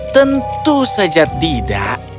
tentu saja tidak